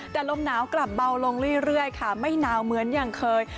แต่ลมหนาวกลับเบาลงเรื่อยค่ะไม่หนาวเหมือนอย่างเคย